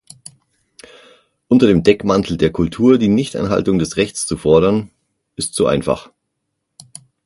Unter dem Deckmantel der Kultur die Nichteinhaltung des Rechts zu fordern, ist zu einfach.